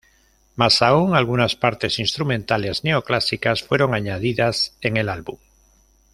Más aún, algunas partes instrumentales neoclásicas fueron añadidas en el álbum.